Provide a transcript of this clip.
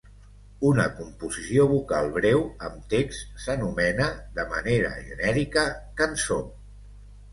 Una composició vocal breu amb text s'anomena, de manera genèrica, cançó.